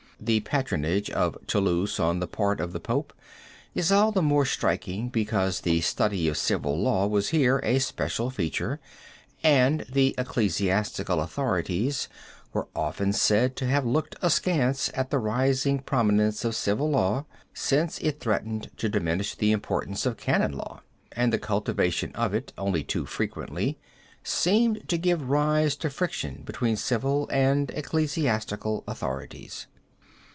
The patronage of Toulouse on the part of the Pope is all the more striking because the study of civil law was here a special feature and the ecclesiastical authorities were often said to have looked askance at the rising prominence of civil law, since it threatened to diminish the importance of canon law; and the cultivation of it, only too frequently, seemed to give rise to friction between civil and ecclesiastical authorities.